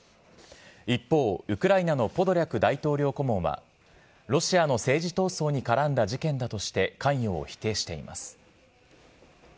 一方、ウクライナのポドリャク大統領顧問は、ロシアの政治闘争に絡んだ事件だとして、関与を否定しています。